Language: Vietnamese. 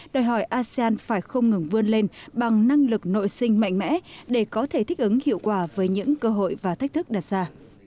đòi hỏi asean phải không ngừng vươn lên bằng năng lực nội sinh mạnh mẽ để có thể thích ứng hiệu quả với những cơ hội và thách thức đặt ra